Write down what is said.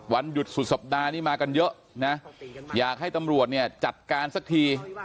วันหยุดสุดสัปดาห์นี้มากันเยอะนะอยากให้ตำรวจเนี่ยจัดการสักที